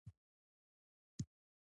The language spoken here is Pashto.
په مصر کې د ودانیو جسامت خورا لوی و.